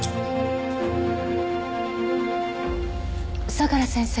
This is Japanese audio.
相良先生。